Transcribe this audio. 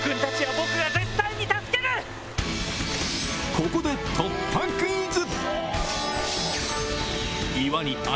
ここで突破クイズ！